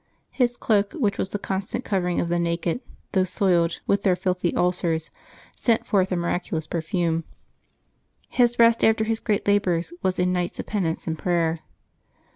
His cloak, which was the constant covering of the naked, though soiled with their filthy ulcers, sent forth a miracu lous perfume. His rest after his great labors was in nights of penance and prayer.